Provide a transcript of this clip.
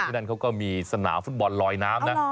ที่นั่นเขาก็มีสน่าฟุตบอลลอยน้ำ